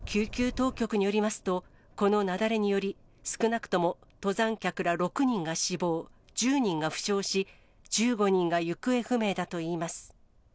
救急当局によりますと、この雪崩により、少なくとも登山客ら６人が死亡、１０人が負傷し、１５人が行方不明だといいます。